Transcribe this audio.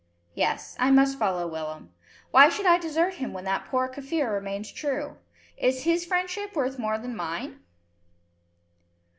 Yes. I must follow Willem. Why should I desert him when that poor Kaffir remains true? If his friendship worth more than mine?"